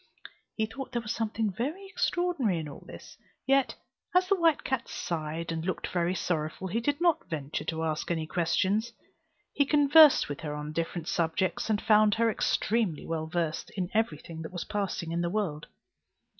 He thought there was something very extraordinary in all this: yet, as the white cat sighed and looked very sorrowful, he did not venture to ask any questions. He conversed with her on different subjects, and found her extremely well versed in every thing that was passing in the world.